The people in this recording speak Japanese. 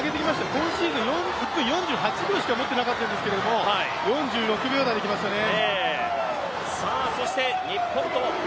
今シーズン１分４８しか持ってなかったんですけど、４６秒台で来ましたね。